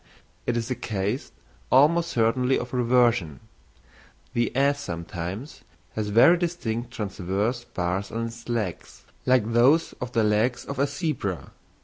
It is a case almost certainly of reversion. The ass sometimes has very distinct transverse bars on its legs, like those on the legs of a zebra.